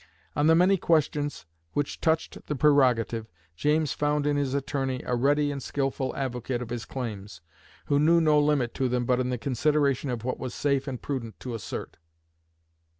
On the many questions which touched the prerogative, James found in his Attorney a ready and skilful advocate of his claims, who knew no limit to them but in the consideration of what was safe and prudent to assert.